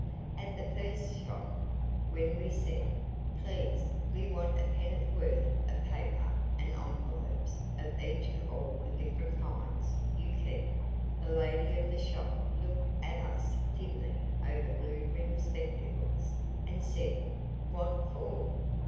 At the first shop, when we said, "Please we want a penn'orth of paper and envelopes of each of all the different kinds you keep," the lady of the shop looked at us thinly over blue rimmed spectacles and said, "What for?"